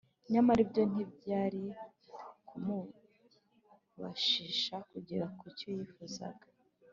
Nyamara ibyo ntibyari kumubashisha kugera ku cyo yifuzaga